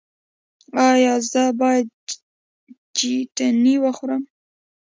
ایا زه باید چتني وخورم؟